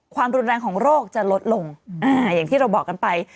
อย่างที่เราบอกกันไป